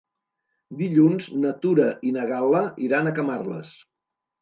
Dilluns na Tura i na Gal·la iran a Camarles.